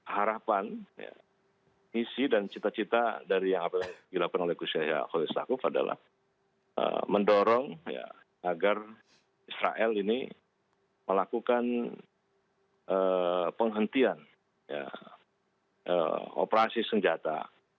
harapan isi dan cita cita dari yang dilakukan oleh khus yahya adalah mendorong agar israel ini melakukan penghentian operasi senjata